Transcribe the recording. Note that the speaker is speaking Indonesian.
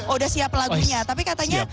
udah siap lagunya tapi katanya